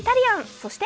そして